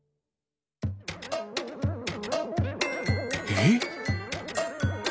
えっ？